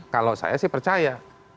kalau saya sih percaya